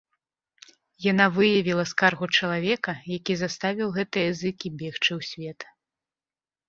Яна выявіла скаргу чалавека, які заставіў гэтыя зыкі бегчы ў свет.